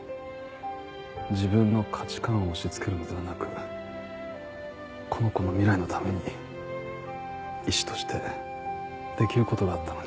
自分の価値観を押しつけるのではなくこの子の未来のために医師としてできる事があったのに。